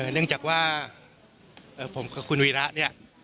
เนื่องจากว่าผมกับคุณวีระเนี่ย